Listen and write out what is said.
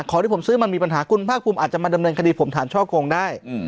ของที่ผมซื้อมันมีปัญหาคุณภาคภูมิอาจจะมาดำเนินคดีผมฐานช่อโกงได้